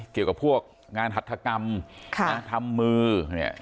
เกี่ยวกับพวกงานหัฐกรรมทำมือเนี่ย